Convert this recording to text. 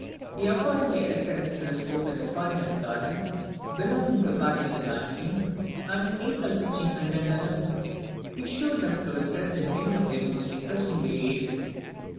He accordingly erected his telescope in the Quirinal garden, belonging to Cardinal Bandini; and in April 1611 he shewed them to his friends in many of their most interesting variations.